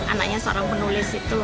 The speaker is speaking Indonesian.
anaknya seorang penulis itu